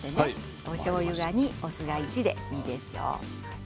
おしょうゆが２お酢が１です。